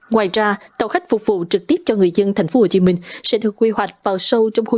ngoài ra tàu khách phục vụ trực tiếp cho người dân tp hcm sẽ được quy hoạch vào sâu trong khu